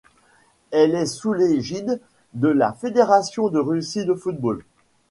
Elle est sous l'égide de la Fédération de Russie de football.